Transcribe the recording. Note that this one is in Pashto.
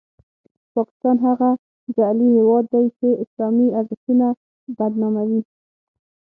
پاکستان هغه جعلي هیواد دی چې اسلامي ارزښتونه بدناموي.